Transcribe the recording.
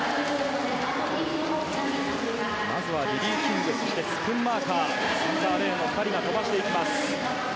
まずはリリー・キングスクンマーカーセンターレーンの２人が飛ばしていきます。